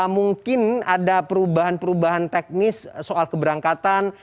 mungkin ada perubahan perubahan teknis soal keberangkatan